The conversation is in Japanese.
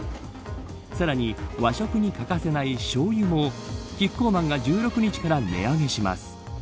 さらに、和食に欠かせないしょうゆもキッコーマンが１６日から値上げします。